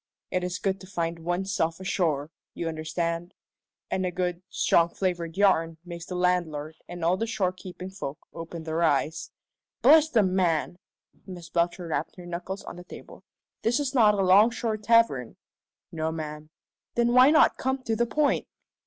It is good to find one's self ashore, you understand? And a good, strong flavoured yarn makes the landlord and all the shore keeping folk open their eyes " "Bless the man!" Miss Belcher rapped her knuckles on the table. "This is not a 'longshore tavern." "No, ma'am." "Then why not come to the point?"